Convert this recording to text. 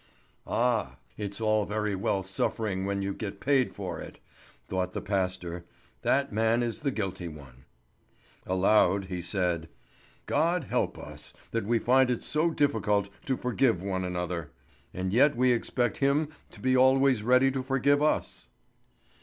"Ah! it's all very well suffering when you get paid for it," thought the pastor. "That man is the guilty one." Aloud he said: "God help us that we find it so difficult to forgive one another! And yet we expect Him to be always ready to forgive us."